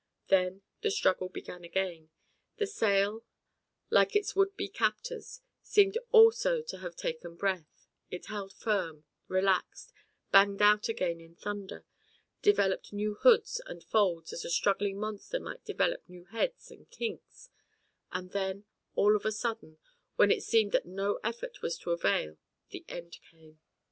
Then the struggle began again. The sail, like its would be captors, seemed also to have taken breath, it held firm, relaxed, banged out again in thunder, developed new hoods and folds as a struggling monster might develop new heads and kinks, and then, all of a sudden when it seemed that no effort was of avail the end came.